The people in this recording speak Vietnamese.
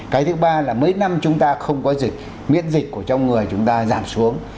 cái thứ ba là mấy năm chúng ta không có dịch miễn dịch của trong người chúng ta giảm xuống